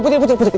putri putri putri